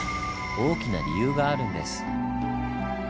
大きな理由があるんです。